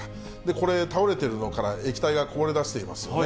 これ、倒れているのから液体がこぼれだしていますね。